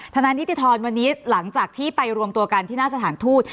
นานิติธรวันนี้หลังจากที่ไปรวมตัวกันที่หน้าสถานทูต